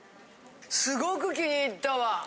すごく気に入ったわ！